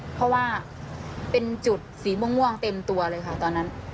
เพราะว่าเป็นจุดสีม่วงเต็มตัวเลยค่ะตอนนั้น